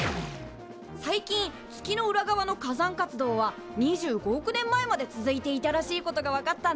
最近月の裏側の火山活動は２５億年前まで続いていたらしいことが分かったんだ。